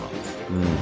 うん。